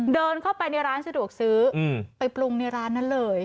เดินเข้าไปในร้านสะดวกซื้อไปปรุงในร้านนั้นเลย